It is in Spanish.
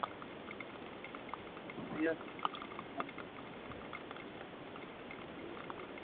Ella se convirtió en la misma cueva donde se convirtió la sirena Eva.